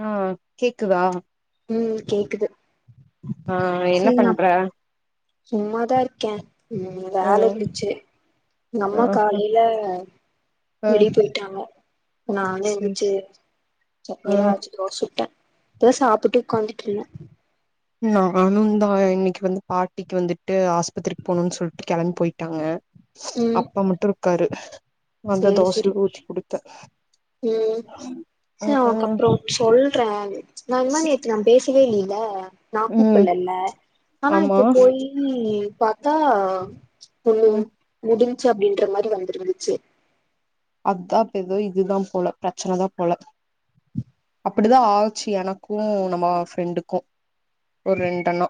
ஆ கேக்குதா ம் கேக்குது ஆ என்ன பண்ற சும்மாதான் இருக்கேன் ம் வேல ம் இருந்துச்சு எங்க ஆ அம்மா காலையில ஆ வெளியே போயிட்டாங்க நானும் செரி எந்துச்சு சட்னி எல்லாம் ம் வச்சு தோச சுட்டேன் இப்பதா சாப்புட்டு உட்காந்துட்டு இருந்தேன் நானும் தான் இன்னைக்கு வந்து பாட்டிக்கு வந்துட்டு ஆஸ்பத்திரிக்கு போணும்ன்னு சொல்லிட்டு கெளம்பி போயிட்டாங்க ம் அப்பா மட்டு இருக்காரு நாத சேரி சேரி தோசைல ஊத் குடு த ம் சேரி உனக்கு ம் அப்புறோ சொல்றேன் நா இந்மாரி நேத்து நா பேசவே இல்லையே ல நா ம் கூப்பலல்ல ஆனா ஆமா இப்ப போயி பாத்தா முன்னும் ம் முடி சோ அப்படின்ற மாரி வந்திருந்துச்சு அதான்ப்ப எதோ இதுதான் போல பிரச்சனதா போல அப்டிதா ஆச்சு எனக்கு நம்ம ஃப்ரெண்டுக்கு ஒரு ரெண்டனா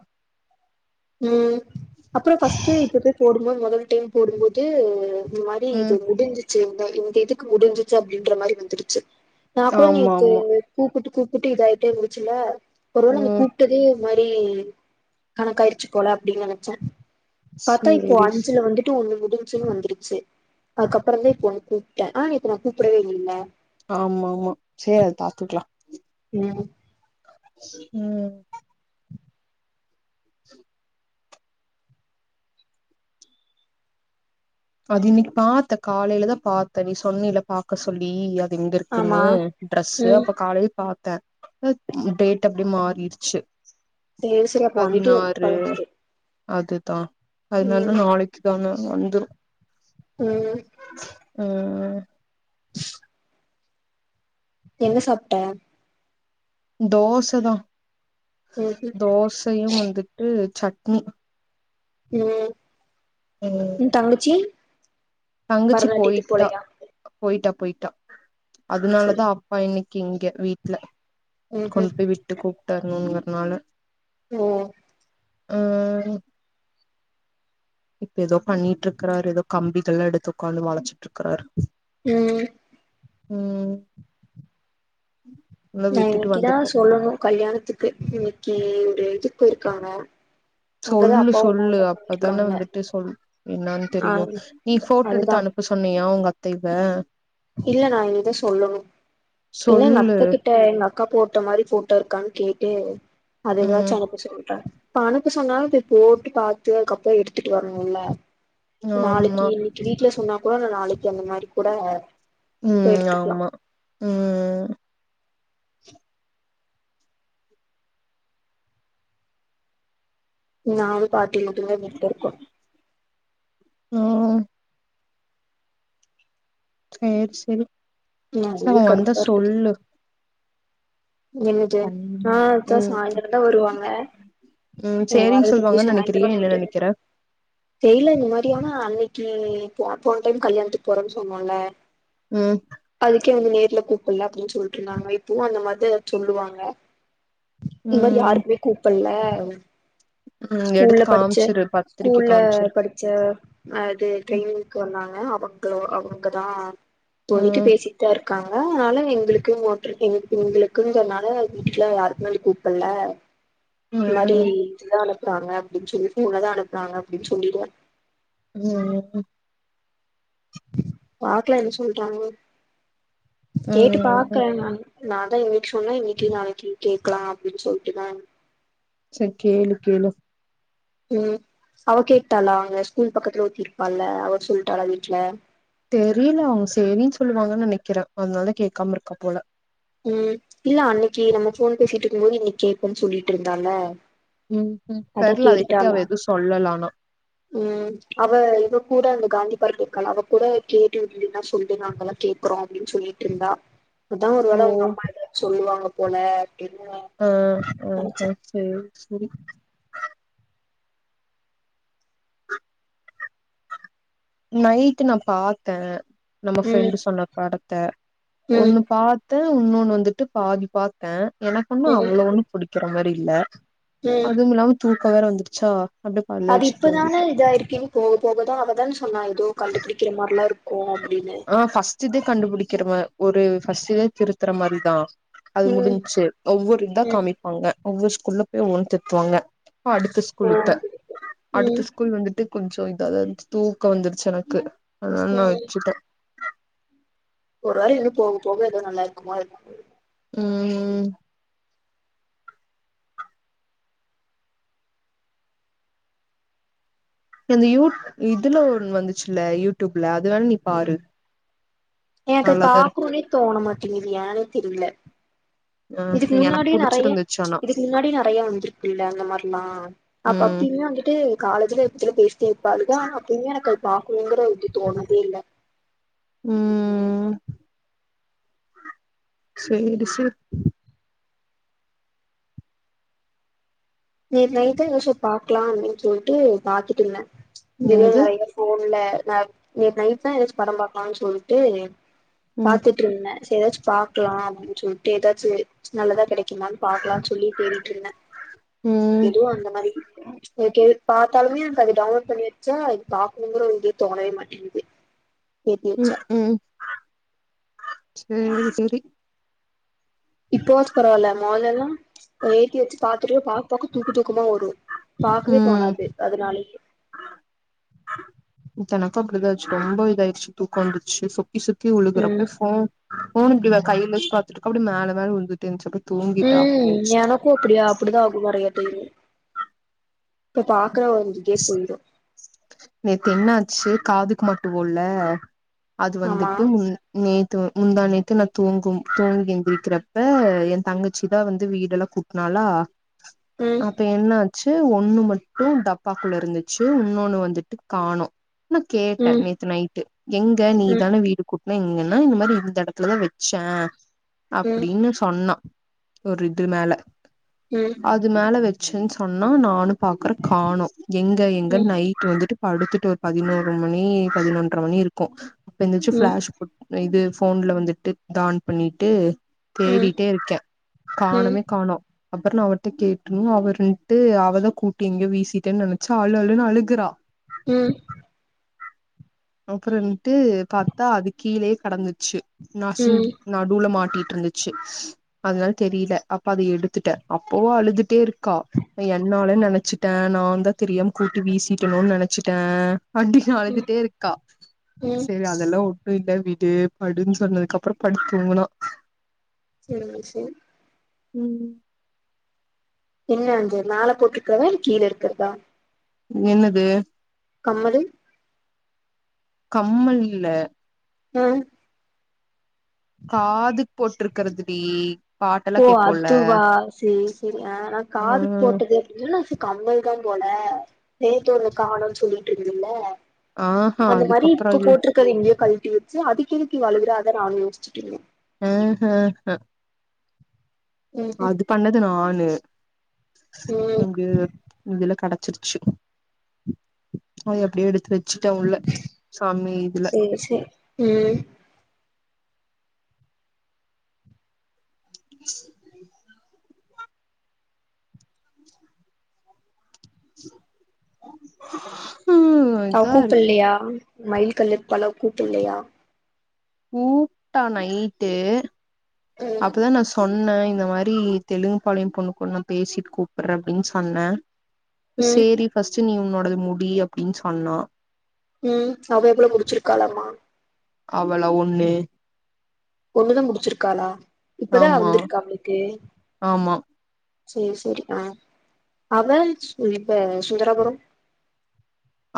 உம் அப்புறம் ஃபர்ஸ்ட்டு இப்பத போடு மொ மொதல்ல டைம் போடும்போது மாரி இது ம் முடிஞ்சி சி இந்த இந்த இதுக்கு முடிஞ்சிச்சு அப்டின்ற மாரி வந்துருச்சு நா கூட ஆமா நேத்து ஆமா கூப்புட்டு கூப் குட்டி இதாகிட்டே இருந்துச்சுல ஒருவேளை நம்மள ம் கூப்டதே இது மாரி கணக்காயிருக் போல அப்டின் நெனைச்சே பாத்தா இப்போ சேரி அஞ்சுல வந்துட்டு ஒண்ணு முடிஞ்ச்சினு வந்துருச்சு அதுக்கப்புறோ தான் இப்ப கூப்பிட்டேன் ஆ நேத்து நா கூப்டவே இல்ல ஆமா ஆமா செரி அது பாத்துக்கலா உம் ம் அது இன்னைக்கு பாத்த காலையிலதான் பாத்தே நீ சொன்ன இல பாக்க சொல்லி அ எங்க இருக்குன்னு ஆமா ட்ரெஸு ம் அப்ப காலையில் பார்த்தே ட [unintelligible] [unintelligible] அப்படியே மாறிடுச்சு சேரி சேரி அப்ப ஒன்று பதினாறு பதினோரு அதுதா அதுனால ம் நாளைக்கு தானே வந்துரு ம் ம் என்ன சாப்பிட்ட தோச தா ம் தோசையும் வந்துட்டு சட்னி ம் ம் தங்கச்சி தங்கிச்சி பரதநாட்டியத்துக்கு போயிட்டா போலையா போயிட்டா போயிட்டா அதனால சரி தா அப்பா இன்னை இங்க வீட்ல கொண்டு ம்ஹும் போய் விட்டு கூப்பிட்டருங்க அதனால ஓ ம் இப்ப ஏதோ பண்ணிட்டு இருக்குறாரு ஏதோ கம்பிகள் எல்லா எடுத்து உக்காந்து வளைச்சுட்டு இருக்குறாரு ம் ம் இல்ல நா விட்டுட்டு இன்னைக்கு தா வந்துட்ட சொல்லணும் கல்யாணத்துக்கு இன்னைக்கி இதுக்கு இருக்காங்க சொல்லு சொல்லு அப்பதானே வந்துட்டு சொல் என்னானு ஆ தெரியும் நீ போட்டோ அதுதா எடுத்து அனுப்ப சொன்னியா உங்க அக் [unintelligible] இல்ல நா இனி சொல்லணு இல்ல எங்க சொல்லு அத்தகிட்ட எங்க அக்கா போட்டோ மாரி போட்டோ இருக்கான்னு கேக் டே அது தா ம் சொதப்பிச்சில்ற அனுப்ப சொன்னாலும் இப்ப போட்டு பாத்து அதுக்கப்றோ எடுத்துட்டு வரணும்ல நாளைக்கி ஆமா இன்னைக்கி வீட்ல சொன்னா கூட நாளைக்கு அந்த மாரி கூட போய் ம் எடுத்துக்கலா ஆமா ம் நாம் பாட்டி வீட்ல [unintelligible] ம் செரி செரி ச அதுவே அவன் வந்தா கடுப்பா இருக்குது சொல்லு என்னது கண் ஆ ம் சாயந்திரம் தா வருவாங்க ம் சேரின்னு வரதுக்கு எப்டியும் சொல்லுவாங்கன்னு நெனைக்கிறியா சாயந்தரம் என்ன நைட்டு நெனைக்கிற தெரில இந்த மாரி ஆனா அன்னை இது போ போன டைம் கல்யாணத்துக்கு போறோன்னு சொன்னோல்ல? ம் க்கு நேர்ல கூப்புட்ல அப்டின்னு சொல்ட்ருந்தாங்க இப்பவு அந்த மாரிதா சொல்லுவாங்க இந்த மாரி ம் யாருக்குமே கூப்பட்ல அ ம் எடுத்து ஸ்கூல்ல படிச்ச காமிச்சிரு பத்திரிக்க ஸ்கூல்ல காமிச்சிரு படிச்ச அது ம் ட்ரெய்னிங்க்கு வந்தாங்க அவங் களா அவங்கதா தோழிக்கு ம் பேசிட்டுதா இரு க்காங்க அதனால எங்களுக்கு ஓட்றக்கு எங்களுக்கு [unintelligible] க்குங்கறனால வீட்ல யாருக்குமே வந்து கூப்பட்ல இந்த மாரி ம் இதுதா அனு ப்புனாங்க அப்டின்னு சொல்லி இவுங்கதா அனுப்புனாங்க அப்டின்னு சொல்லிருவ. ம் ம் பாக்கலா என்ன சொல்றாங்கன்னு. கேட்டு ம் பாக்கறே நானு நா அதா இன்னைக்கி சொன்னா இன்னைக்கி நாளைக்கி கேக்கலா அப்டின்னு சொல்ட்டுதா செரி கேளு கேளு ம் அவ கேட்டாளா அங்க ஸ்கூல் பக்கத்துல ஒருத்தி இருப்பால்ல அவ சொல்ட்டாளா வீட்ல? தெரியல அவங்க சேரின்னு சொல்லுவாங்கன்னு நெனைக்கிறே அதனால கேக்காம இருக்கா போல. ம் இல்ல அன்னக்கி நம்ம ஃபோன் பேசிட்டு இருக்கும் போது இன்னக்கி கேப்பேன்னு சொல்லிட்டு இருந்தால்ல ம் ம் அதா தெர்ல அதை பத்தி அவ கேட்டுட்டாளா எதுவு சொல்லல ஆனா ம் அவ இவ கூட அந்த காந்தி [unintelligible] இருக்கால்ல அவ கூட கேட்டுட்டீங்கனா சொல்லு நாங்கல்லா கேக்குறோ அப்பிடின்னு சொல்லிட்ருந்தா ஒரு வேள ஓ அவுங்க அம்மா எதாவது சொல்லுவாங்க போல அப்டின்னு ஆ ஆ நெனச்சே ஹ செரி செரி நைட்டு நா பாத்தே நம்ம ம் ஃப்ரெண்டு சொன்ன பட த்த ம் ஒண்ணு பா த்தே இன்னொன்னு வந்துட்டு பாதி பாத்தே எனக்கொன்னு ம் அவ்ளவு ஒன்னு புடிக்குற மாரி இல்ல ம் அதும் இல்லாம தூ க்கோ வேற வந்துருச்சா அப்டியே பல்ல அது வச்சு இப்பதானே தூங்கிட்டே இதா இருக்கீங்க போக போகதான் அவதான் சொல்ல நான் ஏதோ கண்டுபிடிக்கிற மாதிரிலாம் இருக்கோ அப்படின்னு ஆ ஃபர்ஸ்ட் இதே கண்டுபிடிக்கிற மா ஒரு ஃபர்ஸ்டே திருத்துற மாதிரிதான் அது ம் முடிஞச்சு ஒவ்வொரு இதா ம் காமிப்பாங்க ஒவ்வொரு ள்ள போய் உணுத்துவாங்க அடுத்த ஓ ஸ்கூலுட அடுத்த ம் ஸ்கூல் வந்துட்டு கொஞ்சம் இததான் இருந்துச்சு க்கம் வந்துருச்சு எனக்கு அத ந ம் வச்சுிட்டேன் ஒரு வாரம் எம் போக போக ஏதோ நல்லா இருக்குமோ உஹம் உம் அந்த யூ இதுல ஒ வந்துச்சுல்ல யூடியூப்ல வேணா நீ பாரு எனக்கு நல்லாதா இருக்கு பாார்கணும்னே தோணமாட்டுது யானே தெரியல ஆ இதுக்கு எனக்கு முன்னாடி நெறைய புடிச்சிருந்துச்சு ஆனா இதுக்கு முன்னாடி நெறைய வந்திருக்கு இல்ல அந்த மாதிரல்லாம் அப்ப ம் அப்பயுமே வந்துட்டு காலேஜல [unintelligible] சேப்பாங்க ஆனா அப்ப எனக்கு பாக்கனும்றது தோணதே இல்ல [unintelligible] உம் செரிசெ ரி நேத்து நைட்டு யோசிச்சு பாக்கலாம் அப்படின்னு சொல்லிட்டு பாத்துட்டு இருந்தேன் இது என்னது நெறைய போன்ல ந நேத்து நைட் தான் ஏதாச்சும் படம் பாாரக்கலாம்னு சொல்லிட்டு ம் பாத்துட்டு இருந்தேன் ஏதாச்சும் பாக்கலாம் அப்படின்னு சொல்லிட்டு ஏதாச்சு நல்லதா கிடைக்குமனு பாக்கலாம்னு சொல்லி தேடிட்டு இருந்தேன் ம் எதுவும் அந்த மாதிரி எது பார்த்தாலுமே எனக்கு அது டவுன்லோட் பண்ணி வச்சா அது பாக்கணும்ற இதுவே தோணவே மாட்டேங்கது உம் உம் செரி செரி இப்போ வாச்சு பரவாயில்ல மொதல்ல எல்லாம் ஏத்தி வச்சு பார்த்துட்டு பா பாக்க தூக்க தூக்கமா வரும் பாக்கவே ம் தோணாது அதனாலயே எனக்கு அப்டிதாச்சு ரொம்ப இதாயடுச்சு தூக்க வந்துச்சு சுத்தி ம் உழுகுறப்ப போன் போன இப்படிவ கையில்ல பாத்துட்டுக்க அப்படி மேல மேல உழுந்துட்டே இருந்துச்சு தூங்கிட்ட ஆஃப் பண்ணி உம் வச்சுட்டு எனக்கும் அப்படியா அப்படிதான் ஆகமையது கப்பாாக [unintelligible] அப்புறம் வந்துக்கே போயிடும் நேத்து என்னாச்சு காதுக்கு மட்டுவோல அது ஆமா வந்துட்டு முன் நேத் முந்தாநேத்து நா தூங்கும் தூங்கி எந்திருக்கிறப்ப என் தங்கச்சி தா வந்து வீடெல்லா கூட்னாலா ம் அப்ப என்னா ச் ஒண்ணு மட்டு டப்பாக்குள்ள இருந்துச்சு உன்னொன்னு வந்துட் ட் காணோ நா கேட்டே ம் நேத்து நைட்டு எங்க ம் நீதானே வீடு கூட் இங்கன்னா இந்த மாரி இந்த இடத்துலதா வச்சே ம் அப்டின்னு சொன்னா ஒரு இது மேல ம் அது மேல வச் ச்ன்னு சொன்னா நானு பாக்குற காணோ எங்க எங்கனு ம் நைட் வந்துட்டு அடுத்துட்டு ஒரு பதினோரு மணி பதினொன்றர மணி இருக்கு அப்ப எந்திர்ச் ம் ஃப்ளாஷ் போட் இது ஃபோன்ல வந்துட்டு தான் பண்ணிட்டு ம் தேடிட்டே இருக்கே ம் காணுமே காணோ அப்புறோ நா அவிட்ட கேட்டணு அவர்ட்டு அவதா கூட்டி எங்கயோ வீசிட்டேன்னு நெனச்சு அளு அளுன்னு அழுகுறா ம் அப்றந்துட்டு பார்த்தா அது கீழேயே கடந்து ச்சு நசிங்கி நடூல மாட்டி ட்ருந்துச்சு அதனால தெரில அப்ப அத எடுத்துட்டே அப்போ அழுதுட்டே இருக்கா என்னால நெனைச்சிட்டே நா தா தெரியாம கூட்டி வீசிட்டணோ நெனைச் ச்சிட்ட அண்டி ம் அழுதுட்டே இருக்கா ம் செரி அதெல்லா ஒட்டு இல்ல வி டு படுன்னு சொன்னதுக்கு அப்றோ படுத்தூங்னா சரிங்க சரி ம் என்ன அந்த நாள போட்டிருக்கவா கீழ இருக்றதா என்னது கம்மலு கம்மல்ல அ காதுக் போட்டிருக்கதுடி ஓ அதுவா செரி செரி ஆ நா ஆ காதுக்கு போட்டுகறுதுனு ச கம்மல் தா போல நேத்தொன்னு காணோன் சொல்லிட் ட்ருந்தில்ல ஆஹா அந்த மாரி அதுக்கப்புறோ இப்ப அது போட்ருக்கறது எங்கயோ கழ்ன் ருச்சு அதுக்கு எதுக்கு இவ அழுகுறா அதா நானு யோசிச்சிட்ருந்தே. ம் ஹூ ஹ ம்ஹும் அது பண்ணது நானு ம் எங்க இதுல கெட ச்சிருச்சு அதய அப்டியே எடுத்து வ ச்சிட்ட உள்ள சாமி இதுல சேரி சேரி ம் [inaudible] அவ இதா இருக்கு கூப்புட்லயா மைல் கல்லு இப்பல்லா கூப்புட்லயா கூப்டா நைட்டு ம் அப்பதா நா சொன் னே இந்த மாரி தெலுங்குபாளையம் பொண்ணு கூட நா பேசிட்டு கூப்பட்றே அப்டின்னு சொன்னே ம் சேரி ஃபர்ஸ்ட் நீ உன்னோ டத முடி அப்டின்னு சொன்னா. ம் அவ எவ்வளவு முடிச்சிருக்காளாமா? அவளா? ஒண்ணு. ஒண்ணுதா முடிச்சிருக்காளா? இப்பதா ஆமா வந்துருக்கா அவுளுக்கு? ஆமா சேரி சேரி ஆ அவ இவ சுந்தராபுரம்?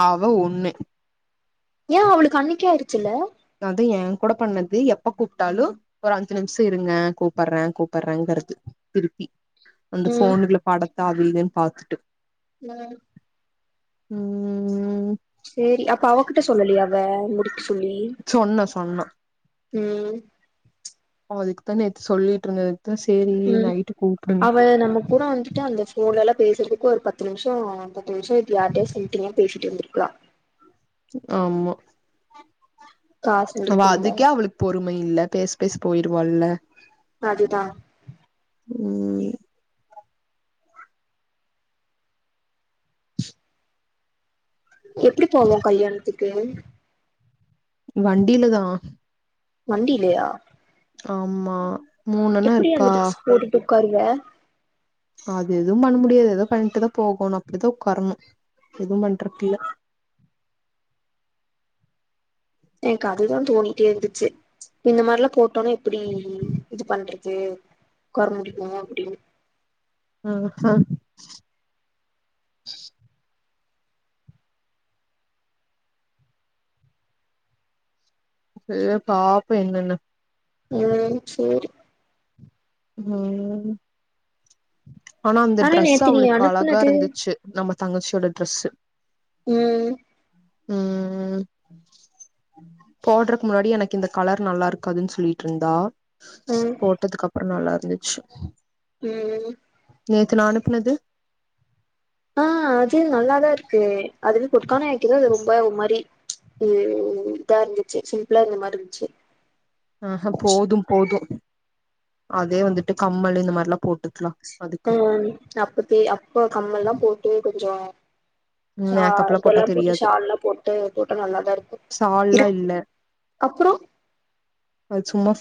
அவ ஒண்ணு. ஏ அவளுக்கு அன்னக்கே ஆயிடுச்சில்ல? அது ஏன் கூட பண்ணது எப்ப கூப்ட்டாலு ஒரு அஞ்சு நிமிஷோ இருங்க கூப்பட்றே கூப்பட்றேங்கறது திருப்பி அந்த ம் ஃபோனு இதுல பட த்த அது இதுன்னு பாத்துட்டு ம் ம் சேரி அப்ப அவகிட்ட சொல்லலயா அவ முடிக்க சொல்லி? சொன்னா சொன்னா ம் அவ அதுக்குதா நேத்து சொல்லிட்டு இருந்தது ம் அவ நம்ம கூட வந்துட்டு அந்த ஃபோன்ல எல்லா பேசறது க்கு ஒரு பத்து நிமிஷோ பத்து நிமிஷோ இப்ப யார்ட்டயாது சொல்லிட்டு நீயா பேசிட்டு வந்துருக்கலா ஆமா காசு அவ வந்திருக்கும்ல அதுக்கே அவளுக்கு பொறும இல்ல பேச பேச போயிருவால்ல அதுதா ம் எப்டி போவோ கல்யாணத்துக் கு வண்டில தா வண்டில்லயா ஆமா மூணண்ணா எப்புடி அந்த இருக்கா டிரெஸ் போட்டுட்டு உக்காருவ அது எதும் பண்ண முடியாது எதொ பண்ட்டுதா போகொனு அப்டிதா உக்காரணு எதும் பண்றக்கில்ல என்க்கு அதுதா தோணிட்டேருந்துச்சு இந்த மார்லா போட்டோனா எப்பிடி இது பண்றது கொற முடிக்கு அப்டின் ஆஹா சே பாப்பொ என்னன்னு ம் சேரி ம் ஆனா அந்த ட்ரெஸ்ஸு நேத்து நீ அவளுக்கு அனுப்புனது அழகாருந்துச்சு நம்ம தங்கச்சியோட ட்ரெஸ்ஸு ம் ம் ம் போட்றக்கு முன்னாடி எனக்கு இந்த கலர் நல்லா இருக்காதுன் சொல்லிட்ருந்தா ம் போட்டதுக்கப்றொ நல்லாரு ந்துச்சு ம் நேத்து நா அனுப்புனது ஆ அது நல்லாதாருக்கு அதுவே கொட்டுக்கான [unintelligible] ரொம்ப ஒர் மாரி இதா இருந்துச்சு சிம்பிளா இருந்த மாருன்ச்சு ஆஹ போதும் போது அதே வந்துட்டு கம்மல் இந்த மார் ம் அப்ப பெ அப்ப கம்மல் தா போட் டு கொஞ்சொ ஷா மேக்கப்லா போட்டா இதெல்லாம் போட்டு தெரியாது ஷால்லா போட்டு போட்டா நல்லாதா இருக்கு ஷால்லா இருக் இல்ல அப்றொ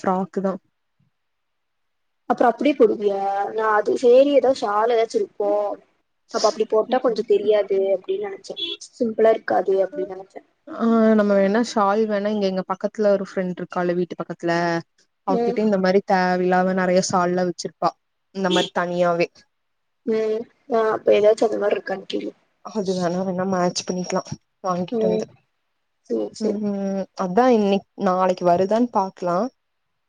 ப்ராக்கு தா அப்றொ அப்டியே போடுவியா நா அது சேரி எதா ஷால் எதாச்சிருக்கு அப்ப அப்டி போட்டா கொஞ்ச தெரியாது அப்டின் நெனச்சே சிம்பிளா இருக்காது அப்டி நெனச்சே ஆ நம்ம வேணா ஷால் வேணா இங்க எங்க பக்கத்துல ஒரு ஃப்ரெண்ட்ருக்கால்ல வீட்டு பக்கத்ல அவ்க்கிட்ட ம் இந்த மாரி தேவல்லாவ நெறைய சால்லா வச்சுரு ப்பா இந்த மாரி தனியாவே ம் ஆ அப்ப எதாச்சு அந்தமார்ருக்கான் கேளு அது வேணா வேணா மேட்ச் பண்ணிக்கலா வாங்கிட்டு ம் வந்து சேரி சேரி ம்ஹ் அதா இன்னிக் நாளைக்கு வருதான்னு பாக்கலா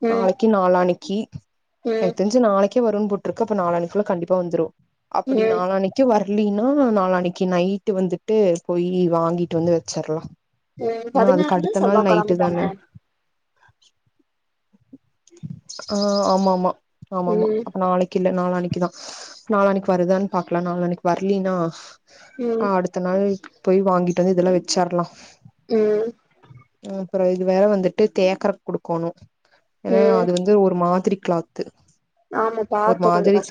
ம் நாளைக்கு நாலானைக் கி ம் எத்தஞ்சு நாளைக்கு கு வரும்ன் புற்றுக்கு அப்ப நால அணிக்குள்ள கண்டிப்பா வந்துடு அப்டி ம் நாளனைக்கு வர லினா நா நாளனைக் இன்னைக்கு நைட்டு வந்துட்டு போய் வாங்கிட்டு வந்து வச்சர்லா ம் ஏன்னா அதுக்கு பதினாறுனா அடுத்த நாள் நைட்டு செவ்வாகழம தான தானே ஆ ஆமா ஆமா ஆமா ஆமா ம் அப்ப நாளைக்கில்ல நாளனைக்குதா நாளனைக்கு வருதான்னு பாக்கலா நாளனைக்கு வர்லினா ம் ஆ அடுத்த நாள் போய் வாங்கிட்டு வந்து இதெல்லா வச்சர்லா ம் அப்புறோ இது வேர வந்துட்டு தேக்கற குடுக்கோணு ஏன்னா ம் அது வந்து ஒரு மாதிரி க்ளாத்து ஆமா பாத்து கொண்டு கசு